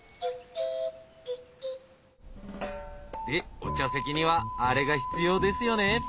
でお茶席にはアレが必要ですよね！